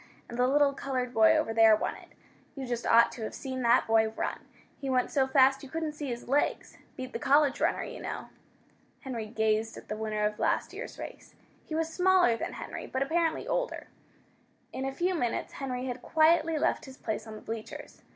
And the little colored boy over there won it. You just ought to have seen that boy run! He went so fast you couldn't see his legs. Beat the college runner, you know." Henry gazed at the winner of last year's race. He was smaller than Henry, but apparently older. In a few minutes Henry had quietly left his place on the bleachers.